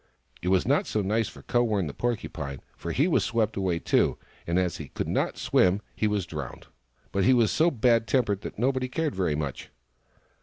It was not so nice for Kowern, the Porcupine, for he was swept away, too, and as he could not swim, he was drowned. But he was so bad tempered that nobody cared very much.